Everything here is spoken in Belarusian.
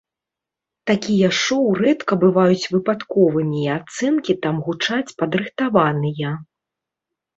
Такія шоу рэдка бываюць выпадковымі і ацэнкі там гучаць падрыхтаваныя.